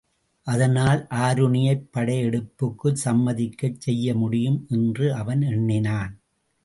அதனால் ஆருணியைப் படையெடுப்புக்குச் சம்மதிக்கச் செய்ய முடியும் என்று அவன் எண்ணினான்.